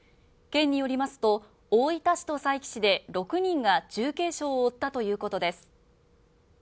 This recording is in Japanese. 県によりますと、大分市と佐伯市で６人が重軽傷を負ったということです。